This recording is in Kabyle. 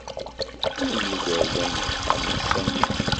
Llan yigerdan deg uxxam n Sami.